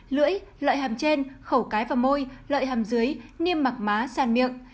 lưỡi loại hàm trên khẩu cái và môi lợi hàm dưới niêm mạc má sàn miệng